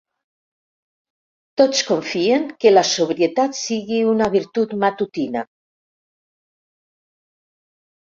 Tots confien que la sobrietat sigui una virtut matutina.